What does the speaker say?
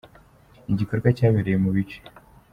Ni igikorwa cyabereye mu bice.